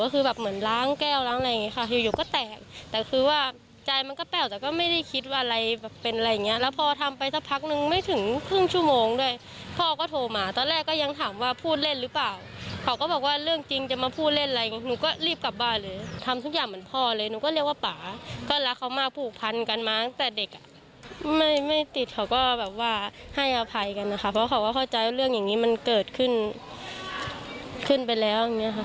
ก็แบบว่าให้อภัยกันนะครับเพราะเขาก็เข้าใจว่าเรื่องอย่างนี้มันเกิดขึ้นขึ้นไปแล้วอย่างนี้ครับ